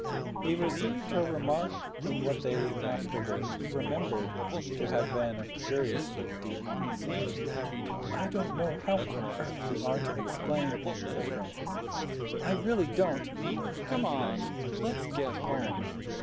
He received her remark in what they afterward remembered to have been a curiously deep silence. "I don't know how on earth we are to explain," said Francis. "I really don't. Come on—let's get home.